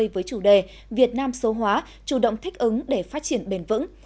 với chủ đề việt nam số hóa chủ động thích ứng để phát triển bền vững